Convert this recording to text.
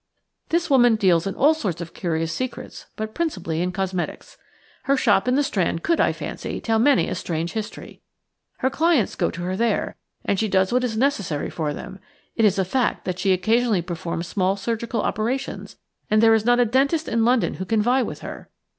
This woman deals in all sorts of curious secrets, but principally in cosmetics. Her shop in the Strand could, I fancy, tell many a strange history. Her clients go to her there, and she does what is necessary for them. It is a fact that she occasionally performs small surgical operations, and there is not a dentist in London who can vie with her.